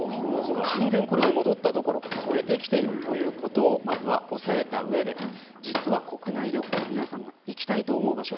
完全に戻ったどころか超えてきているということをまずは押さえた上で実は国内旅行皆さんが行きたいと思う場所